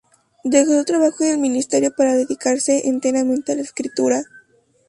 Dejó su trabajo en el ministerio para dedicarse enteramente a la escritura.